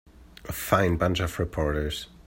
A fine bunch of reporters.